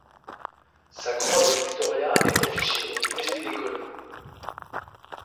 Sa Croix de Victoria est affichée dans le musée de l'école.